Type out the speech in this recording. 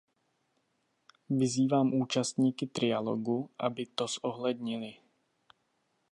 Vyzývám účastníky trialogu, aby to zohlednili.